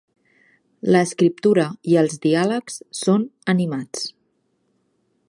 La escriptura i els diàlegs són animats.